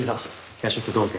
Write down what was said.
夜食どうぞ。